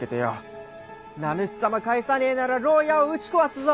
「名主様返さねえなら牢屋を打ち壊すぞ」